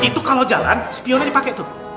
itu kalau jalan spionnya dipake tuh